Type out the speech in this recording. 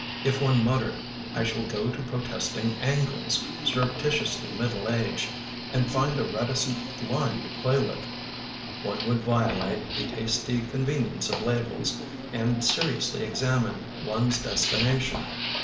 If one muttered, " I shall go to protesting angles, Surreptitiously middle aged, And find a reticent line to play with," One would violate The hasty convenience of labels And seriously examine one's destination.